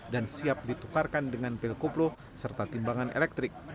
dan siap ditukarkan dengan pil koplo serta timbangan elektrik